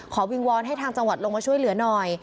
วิงวอนให้ทางจังหวัดลงมาช่วยเหลือหน่อย